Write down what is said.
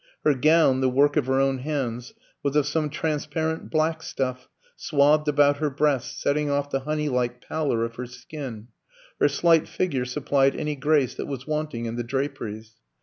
Her gown, the work of her own hands, was of some transparent black stuff, swathed about her breasts, setting off the honey like pallor of her skin; her slight figure supplied any grace that was wanting in the draperies.